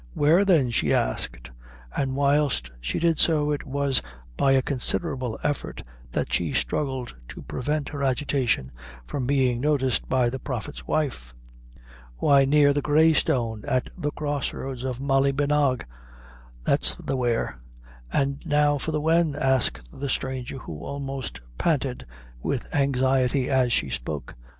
"Where then?" she asked, and whilst she did so, it was by a considerable effort that she struggled to prevent her agitation from being noticed by the prophet's wife. "Why, near the Grey Stone at the crossroads of Mallybenagh that's the where!" "An' now for the when?" asked the stranger, who almost panted with anxiety as she spoke.